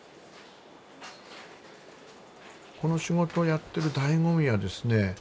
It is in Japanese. この仕事をやっている醍醐味はですね